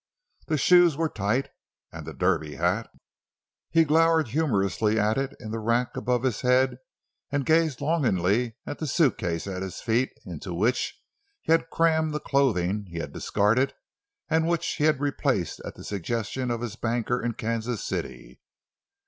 The shoes were tight, and the derby hat—he glowered humorously at it in the rack above his head and gazed longingly at the suitcase at his feet, into which he had crammed the clothing he had discarded and which he had replaced at the suggestion of his banker in Kansas City.